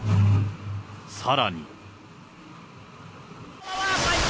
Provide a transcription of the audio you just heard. さらに。